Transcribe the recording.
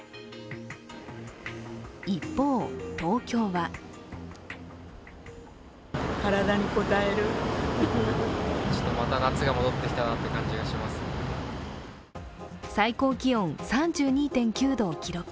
一方、東京は最高気温３２．９度を記録。